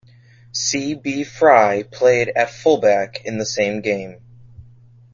C. B. Fry played at full-back in the same game.